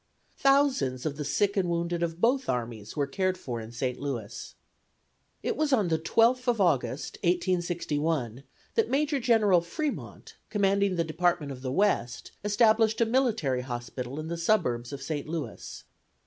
Thousands of the sick and wounded of both armies were cared for in St. Louis. It was on the 12th of August, 1861, that Major General Fremont, commanding the Department of the West, established a military hospital in the suburbs of St. Louis.